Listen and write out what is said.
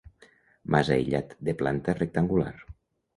Mas aïllat, de planta rectangular.